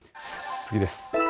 次です。